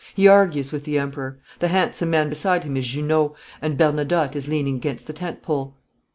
He argues with the Emperor. The handsome man beside him is Junot, and Bernadotte is leaning against the tent pole.'